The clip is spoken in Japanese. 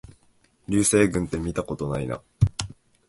流星群ってみたことないな